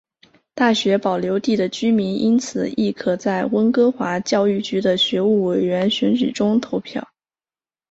大学保留地的居民因此亦可在温哥华教育局的学务委员选举中投票。